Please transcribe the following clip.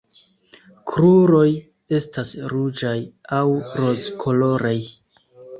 Kruroj estas ruĝaj aŭ rozkoloraj.